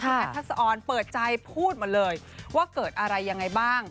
แอทัศออนเปิดใจพูดหมดเลยว่าเกิดอะไรยังไงบ้าง